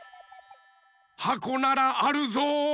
はこならあるぞ。